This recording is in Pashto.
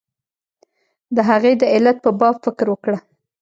د هغې د علت په باب فکر وکړه.